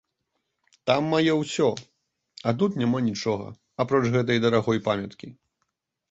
Там маё ўсё, а тут няма нічога, апроч гэтай дарагой памяткі.